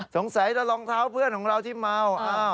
สงสัยจะรองเท้าเพื่อนของเราที่เมา